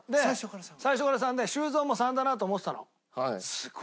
最初から３で修造も３だなと思ってたの。